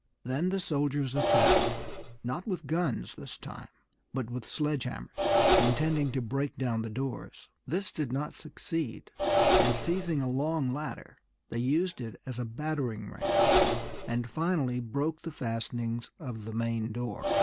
Then the soldiers attacked, not with guns this time, but with sledge hammers, intending to break down the doors. This did not succeed, and seizing a long ladder they used it as a battering ram, and finally broke the fastenings of the main door.